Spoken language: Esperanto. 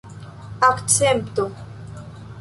akcento